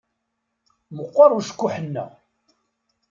Meqqeṛ ucekkuḥ-nneɣ.